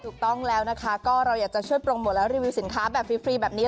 ถูกต้องแล้วนะคะก็เราอยากจะช่วยโปรโมทและรีวิวสินค้าแบบฟรีแบบนี้